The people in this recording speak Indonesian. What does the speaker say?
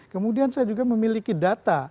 kemudian saya juga memiliki data